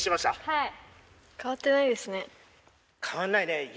はい。